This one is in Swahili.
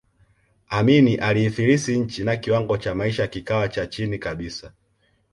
Amin aliifilisi nchi na kiwango cha maisha kikawa cha chini kabisa